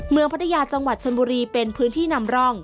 พัทยาจังหวัดชนบุรีเป็นพื้นที่นำร่อง